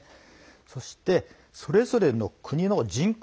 そして、それぞれの国の人口